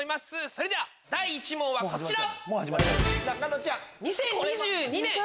それでは第１問はこちら！